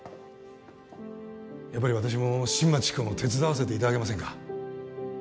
やっぱり私も新町君を手伝わせていただけませんか？